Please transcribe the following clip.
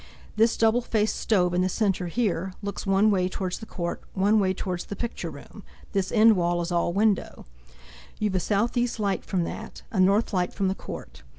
This double faced stove in the centre, here, looks one way towards the court, one way towards the picture room; this end wall is all window; you've a southeast light from that, a north light from the court.